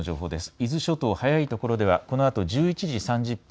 伊豆諸島、早いところではこのあと１１時３０分